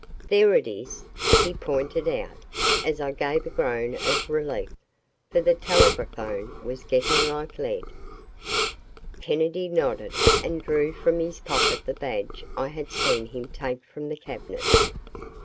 "There it is," he pointed out, as I gave a groan of relief, for the telegraphone was getting like lead. Kennedy nodded and drew from his pocket the badge I had seen him take from the cabinet.